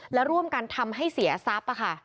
และร่วมกันทำให้เสียทรัพย์